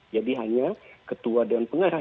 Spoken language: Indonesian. jadi hanya ketua dan pengarah